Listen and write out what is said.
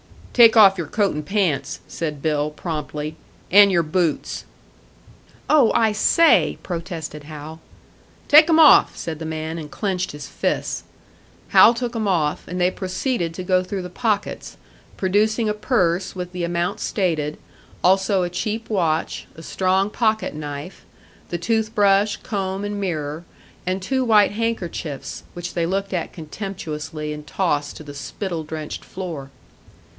"Take off your coat and pants," said Bill, promptly, "and your boots." "Oh, I say!" protested Hal. "Take 'em off!" said the man, and clenched his fists. Hal took 'em off, and they proceeded to go through the pockets, producing a purse with the amount stated, also a cheap watch, a strong pocket knife, the tooth brush, comb and mirror, and two white handkerchiefs, which they looked at contemptuously and tossed to the spittle drenched floor.